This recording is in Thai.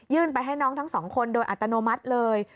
ไปให้น้องทั้งสองคนโดยอัตโนมัติเลย